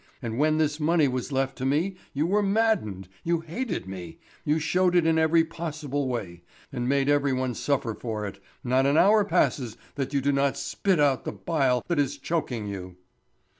And when this money was left to me you were maddened, you hated me, you showed it in every possible way, and made every one suffer for it; not an hour passes that you do not spit out the bile that is choking you."